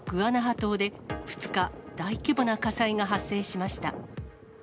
島で２日、大規模な火災が発生しました。